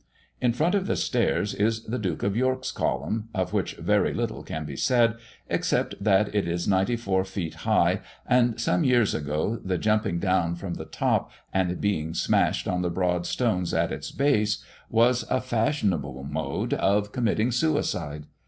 In front of the stairs is the Duke of York's column, of which very little can be said, except that it is ninety four feet high, and some years ago the jumping down from the top and being smashed on the broad stones at its base, was a fashionable mode of committing suicide.